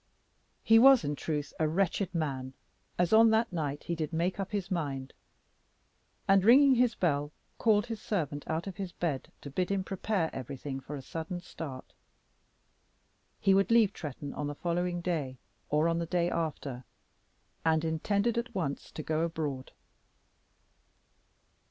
He was, in truth, a wretched man, as on that night he did make up his mind, and ringing his bell called his servant out of his bed to bid him prepare everything for a sudden start. He would leave Tretton on the following day, or on the day after, and intended at once to go abroad.